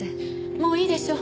もういいでしょ。